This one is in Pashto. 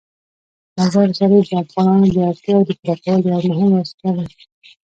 مزارشریف د افغانانو د اړتیاوو د پوره کولو یوه مهمه وسیله ده.